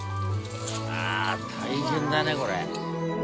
ああ大変だねこれ。